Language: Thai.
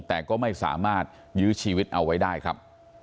แต่ก็ไม่สามารถยื้อชีวิตเอาไว้ได้ครับ